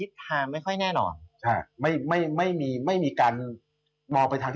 สถาบันในประเทศ